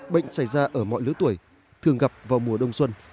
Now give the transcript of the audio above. bệnh xảy ra ở mọi lứa tuổi thường gặp vào mùa đông xuân